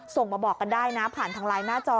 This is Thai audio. ส่งมาบอกกันได้นะผ่านทางไลน์หน้าจอ